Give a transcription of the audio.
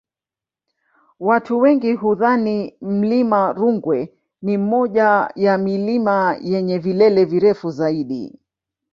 Watu wengi hudhani mlima Rungwe ni moja ya milima yenye vilele virefu zaidi